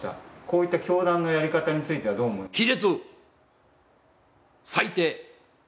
こういった教団のやり方について、どう思いますか。